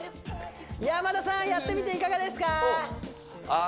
山田さんやってみていかがですかあー